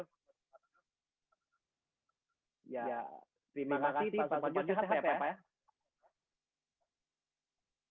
terima kasih pak suparjo sehat ya pak